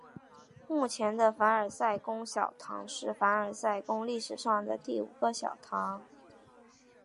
目前的凡尔赛宫小堂是凡尔赛宫历史上的第五个小堂。